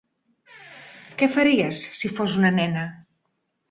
Que faries si fos una nena?